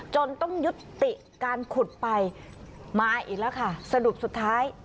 จนต้องยุติการขุดไปมาอีกแล้วค่ะสรุปสุดท้าย